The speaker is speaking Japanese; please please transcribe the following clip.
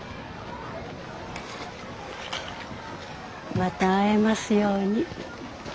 また会えますように。